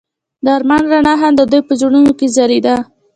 د آرمان رڼا هم د دوی په زړونو کې ځلېده.